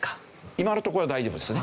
今のところは大丈夫ですね。